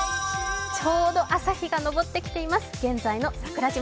ちょうど朝日が昇ってきています、今日の桜島。